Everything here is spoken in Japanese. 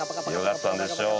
良かったんでしょうか？